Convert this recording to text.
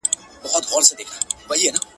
o په بد زوى هر وخت پلار ښکنځلی وي٫